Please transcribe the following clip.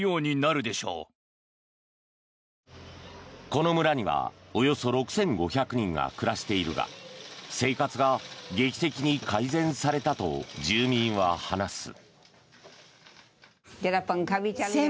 この村にはおよそ６５００人が暮らしているが生活が劇的に改善されたと住民は話す。